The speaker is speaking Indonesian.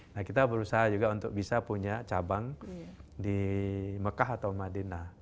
nah kita berusaha juga untuk bisa punya cabang di mekah atau madinah